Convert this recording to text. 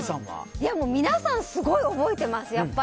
皆さん、すごい覚えてます。